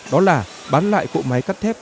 đó là bán lại cỗ máy cắt thép